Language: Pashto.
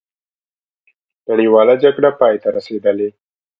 نړیواله جګړه پای ته رسېدلې.